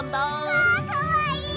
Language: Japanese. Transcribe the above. わあかわいい！